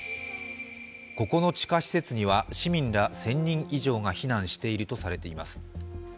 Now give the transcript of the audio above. ここの地下施設には市民ら１０００人以上が避難しているとされています。